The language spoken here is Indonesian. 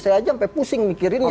saya aja sampai pusing mikirinnya